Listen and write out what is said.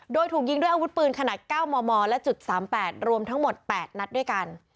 โดยถูกยิงด้วยอาวุธปืนขนาด๙มมและจุด๓๘รวมทั้งหมด๘นัดด้วยกัน